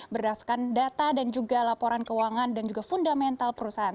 berdasarkan data dan juga laporan keuangan dan juga fundamental perusahaan